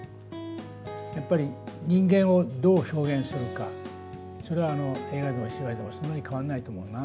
やっぱり人間をどう表現するか、それは映画でも芝居でも、そんなに変わらないと思うな。